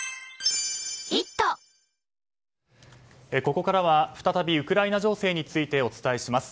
ここからは再びウクライナ情勢についてお伝えします。